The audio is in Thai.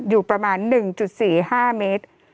โทษทีน้องโทษทีน้อง